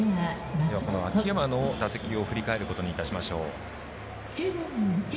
この秋山の打席を振り返ることにいたしましょう。